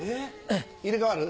入れ替わる？